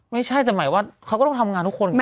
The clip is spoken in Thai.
ไม่ใช่แต่หมายว่าเขาก็ต้องทำงานทุกคน